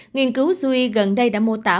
nghiên cứu zui gần đây đã mô tả